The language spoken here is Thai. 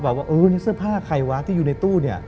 บอกว่านี่เสื้อผ้าใครวะที่อยู่ในตู้